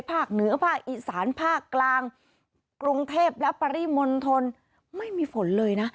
ภาคเหนือภาคอีสานภาคกลางกรุงเทพและปริมณฑลไม่มีฝนเลยนะ